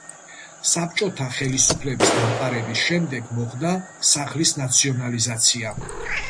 საბჭოტა ხელისუფლების დამყარების შემდეგ მოხდა სახლის ნაციონალიზაცია.